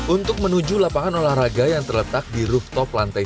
untuk menuju lapangan olahraga yang terletak di rooftop lantai dua